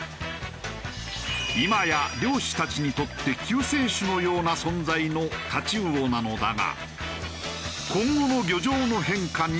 今や漁師たちにとって救世主のような存在のタチウオなのだが。